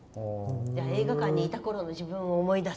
映画館にいたころの自分を思い出す。